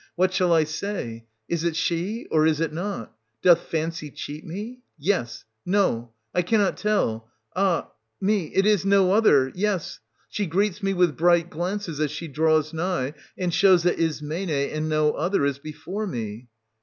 What shall I say } Is it she, or is it not ? Doth fancy cheat me ? Yes — no — I cannot tell — ah me ! It is no other — yes !— she greets 320 me with bright glances as she draws nigh, and shows that Ismene, and no other, is before me.